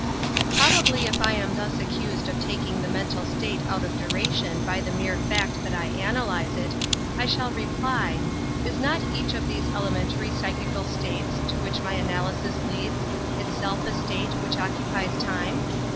Probably if I am thus accused of taking the mental state out of duration by the mere fact that I analyze it, I shall reply, " Is not each of these elementary psychical states, to which my analysis leads, itself a state which occupies time?